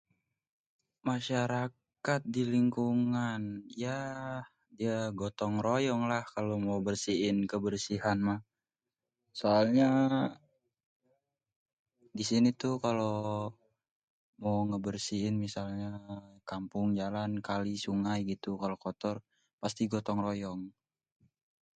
Masyarakat di lingkungan, ye gotong royong lah kalau mau bersihin kebersihan mah. soalnya di sini tuh kalo ngebersihin misalnya kampung, jalan, kali, sungai gitu kalau kotor pasti gotong royong.